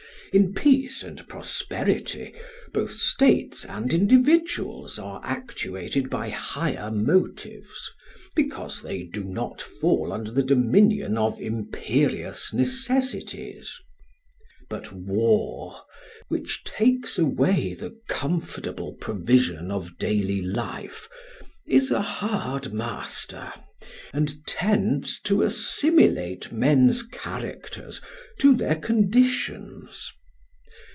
In peace and prosperity both states and individuals are actuated by higher motives, because they do not fall under the dominion of imperious necessities; but war which takes away the comfortable provision of daily life is a hard master, and tends to assimilate men's characters to their conditions.